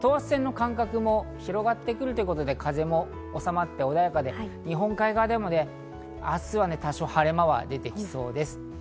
等圧線の間隔も広がってくるということで風もおさまって、穏やかで日本海側でも明日は多少晴れ間が出てきそうです。